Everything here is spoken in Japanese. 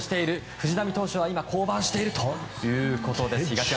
藤浪投手は今降板しているということです。